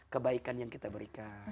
kebaikan yang kita berikan